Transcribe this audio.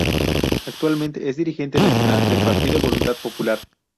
Actualmente es dirigente nacional del partido Voluntad Popular.